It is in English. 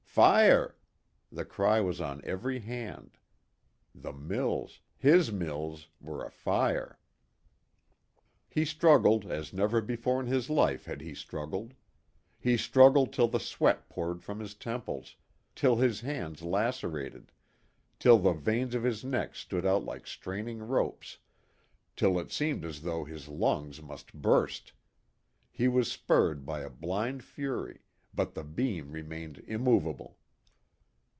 Fire! The cry was on every hand. The mills his mills were afire! He struggled as never before in his life had he struggled. He struggled till the sweat poured from his temples, till his hands lacerated, till the veins of his neck stood out like straining ropes, till it seemed as though his lungs must burst. He was spurred by a blind fury, but the beam remained immovable.